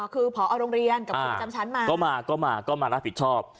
คือพอเอาโรงเรียนกับครูประชำชั้นมาก็มารับผิดชอบ